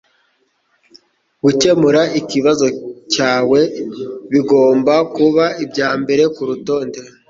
Gukemura ikibazo cyawe bigomba kuba ibya mbere kurutonde.